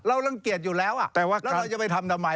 รังเกียจอยู่แล้วแล้วเราจะไปทำทำไม